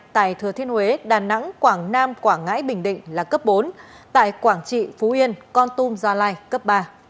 tại thừa thiên huế đà nẵng quảng nam quảng ngãi bình định là cấp bốn tại quảng trị phú yên con tum gia lai cấp ba